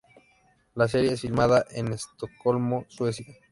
La serie es filmada en Estocolmo, Suecia.